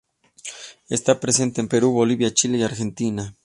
Está presente en Perú, Bolivia, Chile, Argentina.